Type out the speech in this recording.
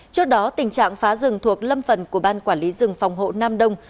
trước đó tình trạng phá rừng thuộc lâm phần của ban quản lý rừng phòng hộ nam đông